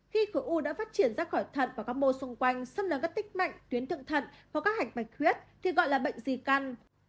khi khu u đã phát triển ra khỏi thật và các mô xung quanh xâm lần các tích mạnh tuyến thượng thật và các hành bạch khuyết thì gọi là bệnh dì căn